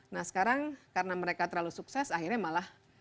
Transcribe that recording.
nah sekarang karena mereka terlalu sukses akhirnya malah